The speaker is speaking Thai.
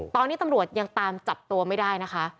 ตอนนี้ตำรวจยังตามจับตัวไม่ได้นะคะ